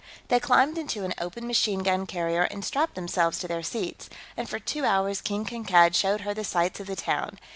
They climbed into an open machine gun carrier and strapped themselves to their seats, and for two hours King Kankad showed her the sights of the town.